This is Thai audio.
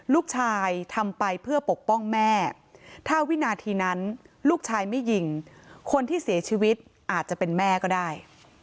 ลูกชายทำไปเพื่อปกป้องแม่ถ้าวินาทีนั้นลูกชายไม่ยิงคนที่เสียชีวิตอาจจะเป็นแม่ก็ได้